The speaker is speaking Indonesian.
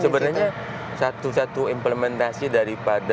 sebenarnya satu satu implementasi daripada